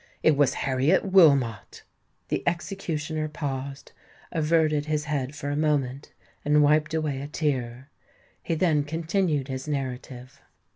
It was Harriet Wilmot!" The executioner paused, averted his head for a moment, and wiped away a tear. He then continued his narrative.